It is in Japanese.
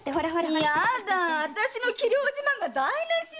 いやだあたしの器量自慢が台なしよ。